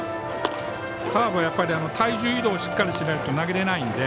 カーブは体重移動をしっかりしないと投げられないので。